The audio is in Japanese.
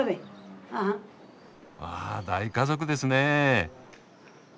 わぁ大家族ですね！